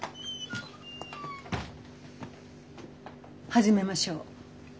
始めましょう。